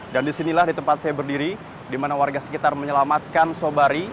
dan disinilah di tempat saya berdiri di mana warga sekitar menyelamatkan sobari